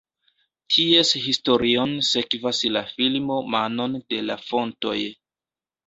Ties historion sekvas la filmo Manon de la fontoj.